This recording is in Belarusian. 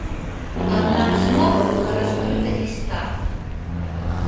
Аднак змова была раскрыта гестапа.